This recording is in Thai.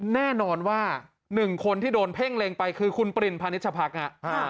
แน่นอนว่าหนึ่งคนที่โดนเพ่งเล็งไปคือคุณปรินพาณิชยาพักษณ์อะ